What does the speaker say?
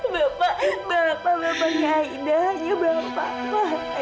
bapak bapak bapaknya aida hanya bapak